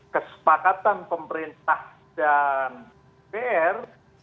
kesepakatan pemerintah dan pr